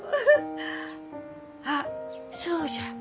あっそうじゃ。